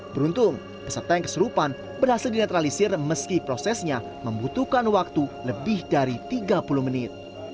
beruntung peserta yang kesurupan berhasil dinetralisir meski prosesnya membutuhkan waktu lebih dari tiga puluh menit